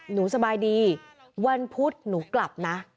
หนูสบายดีวันพุธหนูกลับนะ